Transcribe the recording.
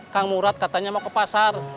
kang murad katanya mau ke pasar